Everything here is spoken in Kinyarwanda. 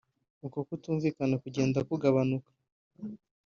uko kutumvikana kugende kugabanuka